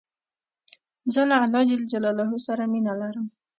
زه له الله ج سره مینه لرم.